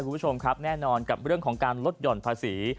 คุณผู้ชมครับแน่นอนกับเรื่องของการลดห่อนภาษี